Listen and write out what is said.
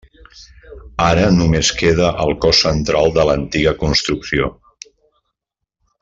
Ara només queda el cos central de l'antiga construcció.